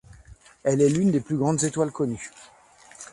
Elle est l'une des plus grandes étoiles connues.